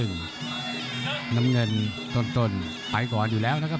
น้ำเงินต้นไปก่อนอยู่แล้วนะครับ